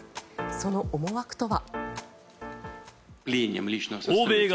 その思惑とは。